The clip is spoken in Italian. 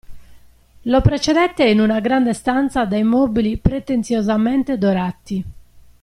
Lo precedette in una grande stanza dai mobili pretenziosamente dorati.